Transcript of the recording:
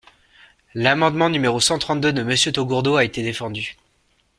L’amendement numéro cent trente-deux de Monsieur Taugourdeau a été défendu.